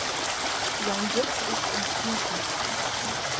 Sein Sitz ist in Triesen.